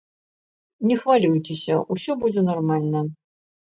Не хвалюйцеся, усё будзе нармальна.